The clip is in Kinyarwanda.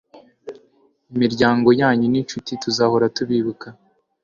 imiryango yanyu n'inshuti, tuzahora tubibuka